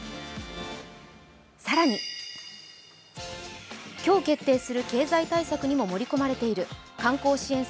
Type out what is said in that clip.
更に今日決定する経済対策にも盛り込まれている観光支援策